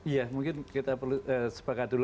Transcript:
ya mungkin kita perlu sepakat dulu